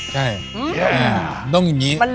คล่อง